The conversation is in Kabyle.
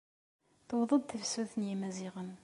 Tuweḍ-d tefsut n Yimaziɣen.